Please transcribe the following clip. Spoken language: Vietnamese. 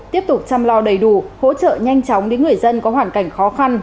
tiếp tục chăm lo đầy đủ hỗ trợ nhanh chóng đến người dân có hoàn cảnh khó khăn